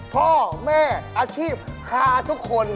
พ่อแม่อาชีพคาสุดคนนึง